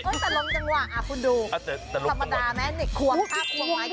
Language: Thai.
เอ่ยแต่ลำจังหวะมาพูดดูสัมพัดาไหมเนี่ยควงคราบควงไม้กลอง